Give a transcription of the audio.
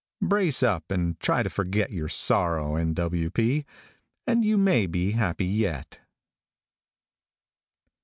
Brace up and try to forget your sorrow, N. W. P., and you may be happy yet.